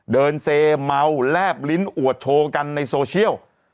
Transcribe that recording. เดินเซเมาแลบลิ้นอวดโทกันในโซเชียล